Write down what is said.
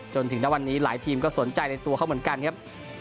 จนถึงณวันนี้หลายทีมก็สนใจในตัวเขาเหมือนกันครับ